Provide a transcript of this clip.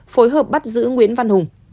phối hợp bắt giữ nguyễn văn hùng